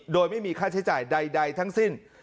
โดยไม่มีค่าใช้จ่ายใดทั้งสิ้น